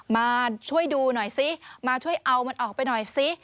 มาช่วยดูหน่อยซิมาช่วยเอามันออกไปหน่อยซิ